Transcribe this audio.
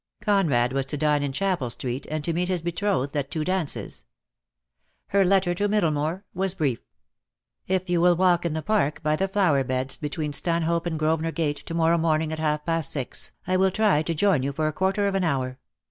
Conrad was to dine in Chapel Street, and to meet his betrothed at two dances. Her letter to Middlemore was brief: "If you will walk in the Park, by the flower beds, between Stanhope and Grosvenor Gate, to morrow morning at half past six, I will try to join you for a quarter of an hour.